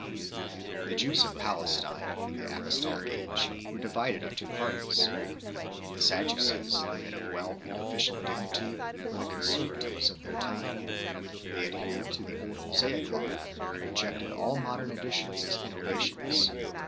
The Jews of Palestine in the Apostolic age were divided into parties. Th^Sadducees. the men of wealth and official dignity, w^r^^th^^o^serTatrves of their time. They ad hered to me old Mosaic Law, and rejected all modern additions as innovations.